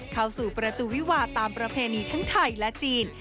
เข้าสู่ประตูวิวาตามประเพณีทั้งไทยและจีน